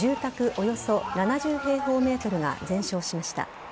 およそ７０平方ｍが全焼しました。